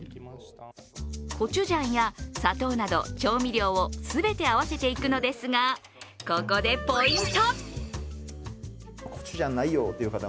コチュジャンや砂糖など調味料を全て合わせていくのですが、ここでポイント！